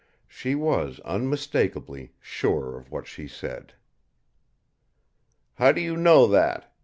She was, unmistakably, sure of what she said. "How do you know that?"